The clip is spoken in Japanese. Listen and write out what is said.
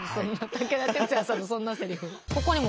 武田鉄矢さんのそんなセリフ。